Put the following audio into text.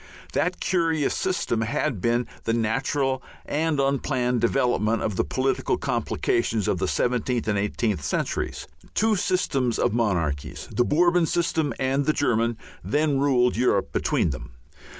That curious system had been the natural and unplanned development of the political complications of the seventeenth and eighteenth centuries. Two systems of monarchies, the Bourbon system and the German, then ruled Europe between them.